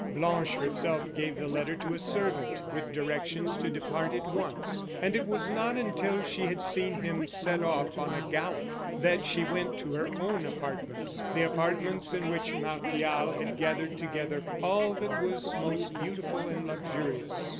Blanche herself gave the letter to a servant, with directions to depart at once; and it was not until she had seen him set off on a gallop that she went to her own apartments the apartments in which Martial had gathered together all that was most beautiful and luxurious.